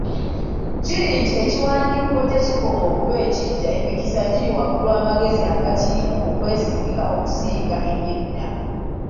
Kiri nti, ekiwandiikko gye kikoma okuba ekiggya, emikisa giri waggulu amagezi agakirimu okwesigika okusinga eby’edda.